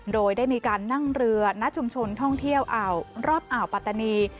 โดยได้มีการนั่งเรือณชุมชนท่องเที่ยวอ่าวรอบอ่าวปัตตานี